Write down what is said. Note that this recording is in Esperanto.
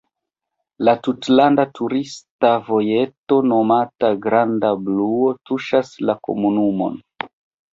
La tutlanda turista vojeto nomata granda bluo tuŝas la komunumon.